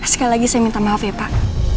sekali lagi saya minta maaf ya pak